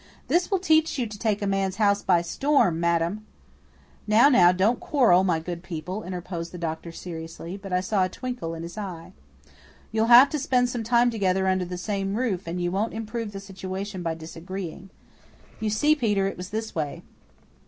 This will teach you to take a man's house by storm, madam!" "Now, now, don't quarrel, my good people," interposed the doctor seriously but I saw a twinkle in his eye. "You'll have to spend some time together under the same roof and you won't improve the situation by disagreeing. You see, Peter, it was this way.